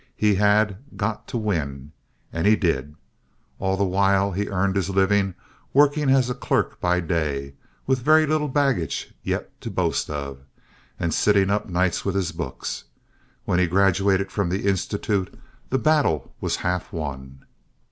He had "got to win," and he did. All the while he earned his living working as a clerk by day with very little baggage yet to boast of and sitting up nights with his books. When he graduated from the Institute, the battle was half won.